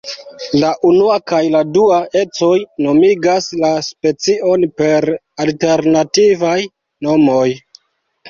La unua kaj dua ecoj nomigas la specion per alternativaj nomoj.